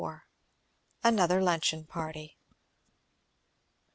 ANOTHER LUNCHEON PARTY.